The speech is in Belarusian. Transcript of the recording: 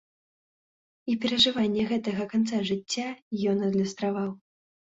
І перажыванне гэтага канца жыцця ён адлюстраваў.